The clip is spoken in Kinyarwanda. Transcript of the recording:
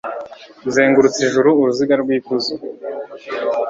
uzengurutsa ijuru uruziga rw'ikuzo